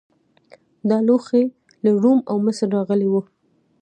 دا لوښي له روم او مصر راغلي وو